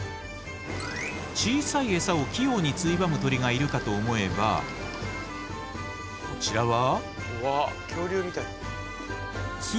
小さいエサを器用についばむ鳥がいるかと思えばこちらは。